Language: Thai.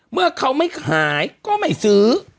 เมื่อเขาไม่ขายก็ไม่ซื้อ